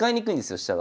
飛車が。